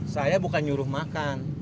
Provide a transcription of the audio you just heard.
saya bukan nyuruh makan